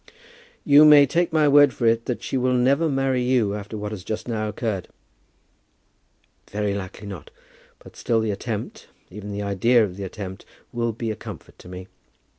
"You may take my word for it, that she will never marry you after what has just now occurred." "Very likely not; but still the attempt, even the idea of the attempt, will be a comfort to me.